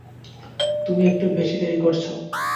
তুমি একটু বেশি দেরি করছো।